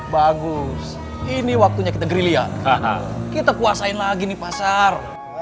bagus ini waktunya kita grill ya kita kuasain lagi nih pasar